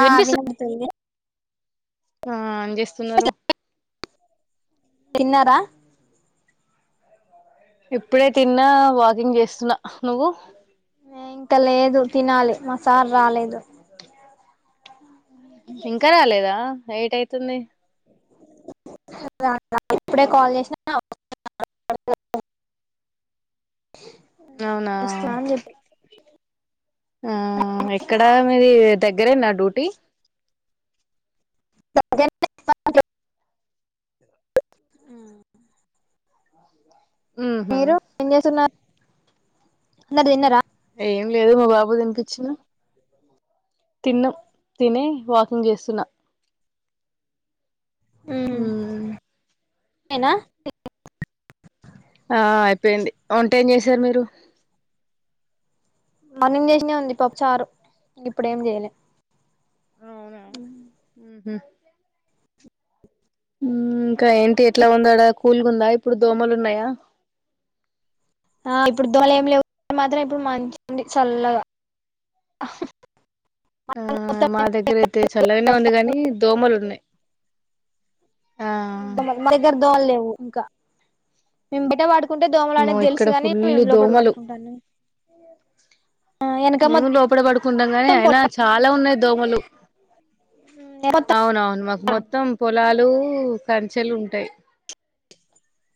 ఆ వినిపిస్తుంది. ఆ ఏం చేస్తున్నారు? తిన్నారా? ఇప్పుడే తిన్నా వా. టిఫిన్ చేస్తున్నా నువ్వు. ఇంక లేదు, తినాలి, మా సార్ రాలేదు. ఇంకా రాలేదా. నైట్ అయితుంది. ఇప్పుడే కాల్ చేసినా. అవునా వస్త అని చెపి. ఆ ఎక్కడ మీది దగ్గరే నా డ్యూటీ. [unintelligible] ఉహు మీరు ఏం చేస్తున్నారు. ఇంకా తిన్నారా. ఏం లేదు మా బాబు తినిపించిన, తిన్నాం, తినే వాకింగ్ చేస్తున్నా. ఉమ్. [unintelligible] ఆ అయిపోయింది, వొంటే ఏం చేశారు మీరు. మార్నింగ్ చేసిందే ఉంది పాప్పు చారు, ఇప్పుడు ఏం జెయలే. అవునా ఉమ్. ఉమ్ ఇంకా ఏంటి ఎట్లా ఉందడా కూల్గా ఉందా ఇప్పుడు దోమలున్నాయా. అ ఇప్పుడు దోమలు ఏమి లేవు, మాత్రం ఇప్పుడు మంచిగా ఉంది చల్లగా. ఆ మొత్తం మా దగ్గర అయితే చల్లగానే ఉంది గాని దోమలు ఉన్నాయి. ఆ దోమలు మా దగ్గర దోమలు లేవు ఇంకా మేము బయట పడు. ఆమ్మో ఇక్కడ ఫుల్లు దోమలు పడుకుంటాను వెనక మేము లోపల పడుకుంటాం కానీ మొత్తం అయినా చాలా ఉన్నాయి. దోమలు. పొలం మొత్తం అవునవును మాకు మొత్తం పొలాల్ లు కంచెలు ఉంటాయి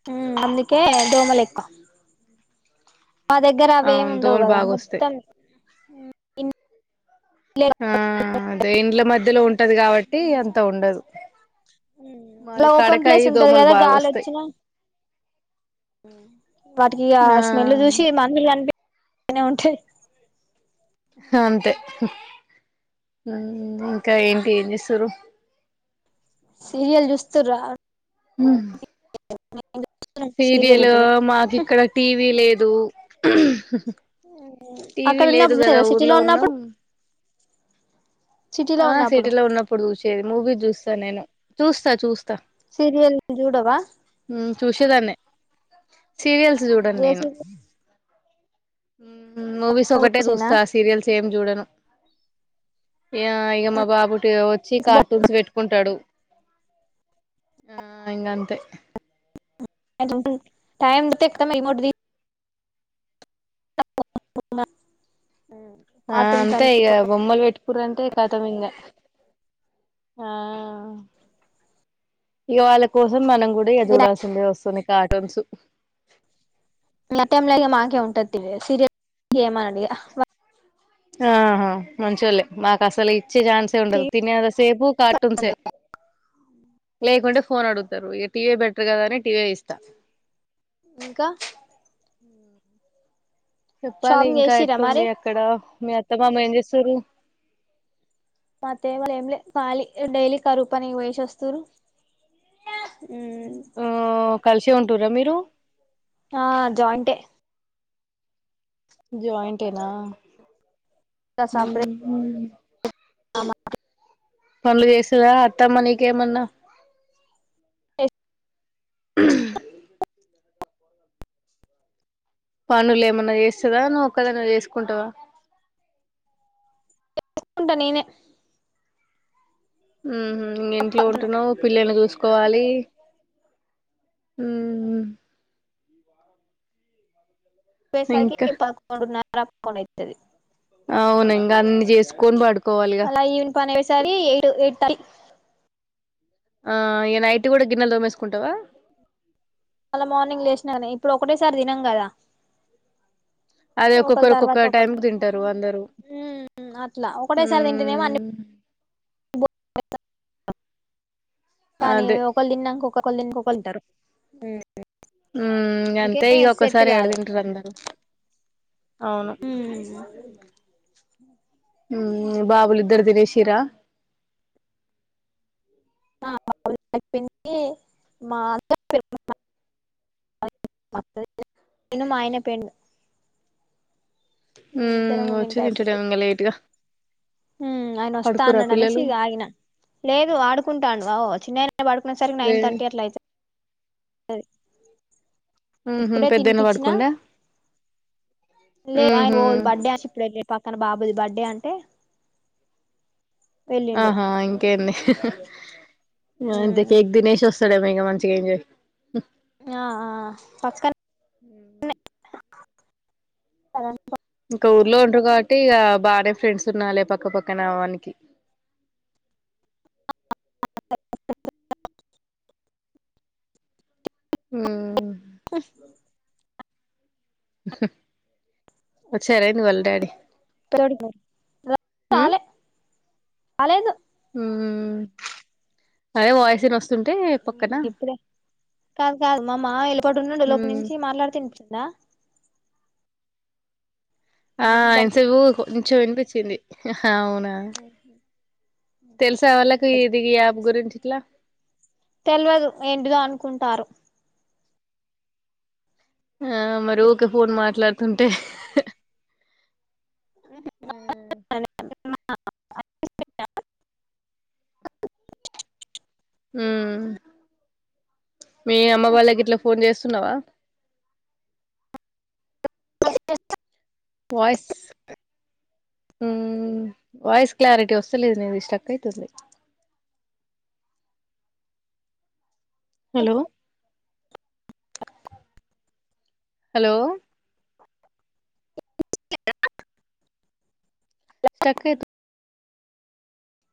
హ అందుకే దోమలు ఎక్కువ మా దగ్గర అవే ఏమి అవును ఉండవు దోమలు కదా బాగా వస్తాయి మొత్తం ఇల్లే ఆ అదే ఇండ్ల మధ్యలో ఉంటది కాబట్టి అంత ఉండదు అలా మరి ఓపెన్ ప్లేస్ కడకాయి ఉంటది దోమలు కదా బాగ గాలి వస్తయి వచ్చినా వాటికి ఆ స్మెల్ చూసి మందు కనిపె అనే ఉంటద్ అంతే ఇంకా ఏంటి ఏం చేస్తురు సీరియల్ చూస్తుర్రా. సీరియల్ లు మాకు ఇక్కడ టీవీ లేదు. [inaudible] టీవీ అక్కడ లేదు ఉన్నప్పుడు గదా చూసేదా సిటీలో ఊర్లో ఉన్నాం. ఉన్నప్పుడు సిటీలో ఆ ఉన్నప్పుడు సిటీలో ఉన్నప్పుడు చూసేది మూవీ చూస్తాను నేను. చూస్తా చూస్. సీరియల్ చూడవా చూసేదాన్ని సీరియల్స్ చూడన్ ఏ నేను సీరియల్ ఉ మూవీస్ ఒకటే చూస్తా సీరియల్స్ ఏం చూడను ఏ ఇక మా బాబు వచ్చి కార్టూన్స్ పెట్టుకుంటడు ఆ ఇంగంతే [unintelligible] టైం చూతే ఇట్టనే ఇమోటిది [inaudible] ఆ కార్టూన్స్ అంతే అని ఇగ బొమ్మల్ పెట్ రంటే కథం ఇంగ ఆ ఇక వాళ్ళ కోస స మనం కూడా ఇగ చూడాల్సిందే వస్తుంది కార్టూన్స్ మ టమ్లగ మాకే ఉంటతి సీరియస్ ఏమని అడిగా ఆహా మంచి వొళ్ళే మాకు అసలే ఈ వచ్చే చాన్సే ఇగ ఉండదు తినేదంత సేపు కార్టూన్సే లేకుంటే ఫోన్ అడుగుతారు ఇ టీవీ బెటర్ కదా అని టీవీ ఇస్తా ఇంకా చెప్పాలి షాపింగ్ ఇంకా చేసిర్రా మరి ఎట్లుంది అక్కడ మీ అ త బాం ఏం చేస్తుర్రు మతేవ ఎంల ఖాలీ డైలీ కరువు పని పోయేసి వస్తురు ఆ కలిసే ఉంటుంర్రా మీరూ. ఆ జాయింటే. జాయింటేనా. గ సపుడ్దేక్. [unintelligible] పనులు చేస్తదా అత్తమ్మ నీకేమన్నా. పనులు ఏమన్నా చేస్తదా. నువ్వు ఒక్కదానవ్ చేసుకుంటవా. చెస్కుంటా నేనే. ఉహు ఇంట్లో తను ఉంటున్నావ్ పిల్లలని చూసు కోవాలి ఉహు ఇంకా పోయేసరికి పదకొండున్నర్ రప్పుకొన్ ఏతది అవున ఇంకా అన్ని చేసుకొని పడుక్ అలా ఈవన్ పని ఓసారి ఎయిట్ ఎయిట్ థర్టీ ఆ ఇగ నైట్ కూడా గిన్నెలు తోమేసుకుంటవా. మళ్ళా మార్నింగ్ లేసిన గానీ ఇప్పుడు ఒకటేసారి తినం కదా. అదే ఒకళ ఒక్కొక్కరు తర్వాత ఒక్కొక్క ఒకళ టైంకి తింటరు అందరూ. ఉమ్ అట్లా ఒకటేసారి తింటేనేమో అన్ని ఉమ్ కానీ అదే ఒకళ్ తిన్నంక ఒకర్ ఒకలు తినంక ఒకలు తింటారు. హ్మ అందుకే గంతే ఇగ సెట్ ఒక్కసారి ఏడ కాదు తింటరు అందరూ. అవును ఉమ్ బాబులు ఇద్దరు తినేశింరా. ఆ అయిపోయిందీ [inaudible] [inaudible] మా ఆయన పోయిండు. హ్మ వచ్చి తింటడేమో ఇంగ లేట్గా. హ్మ ఆయన వస్తా పడుకుర్రా అన్నాడు అనేసి పిల్లలు ఇగా ఆగిన. లేదు ఆడుకుంటాండు ఓ చిన్నైనా పడుకునే సరికి లే నైన్ థర్టీ అట్ల అయితద్. తది. ఉహు ఇప్పుడే పెద్దన్న తినిపిచ్చినా. పడుకుండా లే ఆయన ఉహు ఎవల్దో బర్డే అనేశి ఇప్పుడు ఎల్లిండు. తన బాబుది బర్త్డే అంటే. వెళ్ళిండు ఆహా ఇంకేంది. ఆ ఇంత ఉమ్ కేక్ తినేశ్ వశ్ స్తాడేమో ఇగ మంచిగా ఎంజాయ్. ఆ ఆ పక్కన్ ఊ సర ఇంకా ఊర్లో ఉ కా అంటే ఇక బాగానే ఫ్రెండ్స్ ఉన్నాాలి పక్క పక్కపక్కనామానికి ఆ వచ్చారా ఏంది వాళ్ళ డాడీ తపో ఉమ్ చాలే చాలేదు ఉమ్ అదే వయస న వస్త ఇంగ ఇప్పుడే. కాదు కాదు మా మావయ్య లోపలున్నాడు లోపటి ఉమ్ నుంచీ మాట్లాడుతే ఇన్పిస్తది. నా ఆ ఇన్స గూక కొంచం వినిపిచ్చింది. అవునా తెలుసా వాళ్ళకి ఇది ఈ యాప్ గురించి. ట్లా తెల్వదు ఏంటిదో అనుకుంటారు. ఆ మరి ఒక ఫోన్ మాట్లాడుతుంటే ఉ ఉ మీ అమ్మ వాళ్ళకి ఇట్లా ఫోన్ చేస్తున్నావా అ వాయిస్ వాయిస్ క్లారిటీ వస్తలేదు నీది స్టక్ అయితుంది హలో హలో ఇ స్టక్క